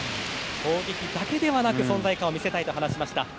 攻撃だけではなく存在感を見せたいと話していました。